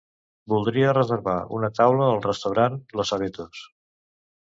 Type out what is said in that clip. Voldria reservar una taula al restaurant Los Abetos.